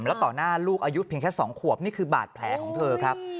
แล้วต่อหน้าลูกอายุเพียงแค่๒ขวบนี่คือบาดแผลของเธอครับ